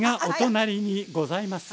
お隣にございます。